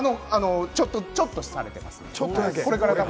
ちょっとされています。